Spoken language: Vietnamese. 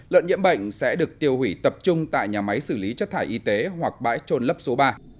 lợn nhiễm bệnh sẽ được tiêu hủy tập trung tại nhà máy xử lý chất thải y tế hoặc bãi trôn lấp số ba